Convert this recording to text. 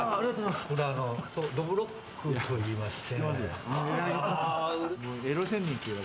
どぶろっくといいまして。